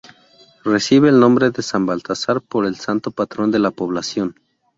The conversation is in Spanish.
Recibe el nombre de San Baltazar, por el Santo Patrón de la población.